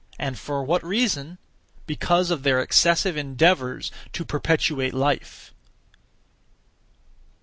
And for what reason? Because of their excessive endeavours to perpetuate life.